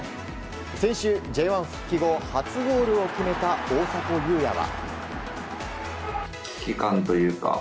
先週Ｊ１復帰後初ゴールを決めた大迫勇也は。